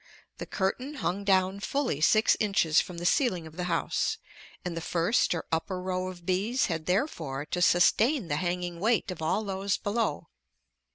The curtain hung down fully six inches from the ceiling of the house, and the first or upper row of bees had therefore to sustain the hanging weight of all those below.